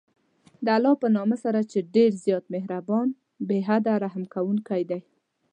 د الله په نامه سره چې ډېر زیات مهربان، بې حده رحم كوونكى دی.